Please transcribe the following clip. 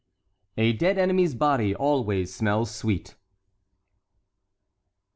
A DEAD ENEMY'S BODY ALWAYS SMELLS SWEET.